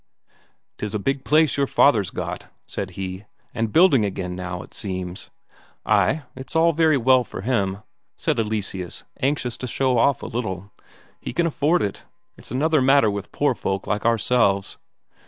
"'Tis a big place your father's got," said he. "And building again, now, it seems." "Ay, it's all very well for him," said Eleseus, anxious to show off a little. "He can afford it. It's another matter with poor folk like ourselves."